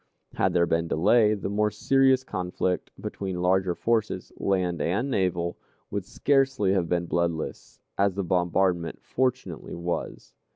Had there been delay, the more serious conflict between larger forces, land and naval, would scarcely have been bloodless, as the bombardment fortunately was.